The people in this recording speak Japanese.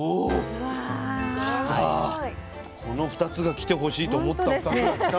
この２つが来てほしいと思った２つが来た。